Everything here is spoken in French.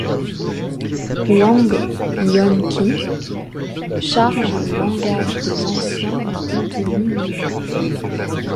Wang Yuanqi charge le langage des Anciens d'un contenu nouveau.